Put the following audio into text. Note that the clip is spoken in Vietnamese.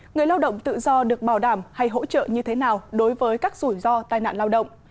người lao động tự do được bảo đảm hay hỗ trợ như thế nào đối với các rủi ro tai nạn lao động